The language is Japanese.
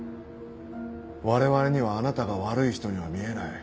我々にはあなたが悪い人には見えない。